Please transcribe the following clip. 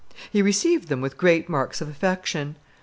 He received them with great marks of affection.